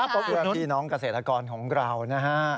เพราะว่าพี่น้องเกษตรกรของเรานะฮะ